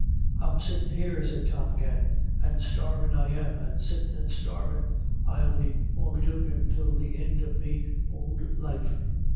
"I'm sittin' here," said Tom again, "and starvin' I am; and sittin' and starvin' I'll be morebetoken till the ind of me ould life.